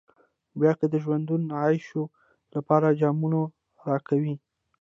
بيا که د ژوندانه عياشيو لپاره جامونه راکوئ.